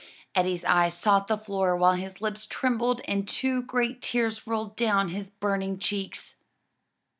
Eddie's eyes sought the floor while his lips trembled and two great tears rolled down his burning cheeks.